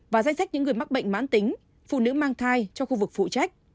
và danh sách những người mắc bệnh mãn tính phụ nữ mang thai trong khu vực phụ trách